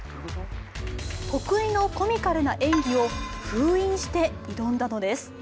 得意のコミカルな演技を封印して挑んだのです。